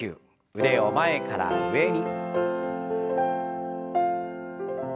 腕を前から上に。